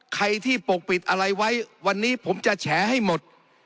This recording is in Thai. ใครที่ปกปิดอะไรไว้วันนี้ผมจะแฉให้หมด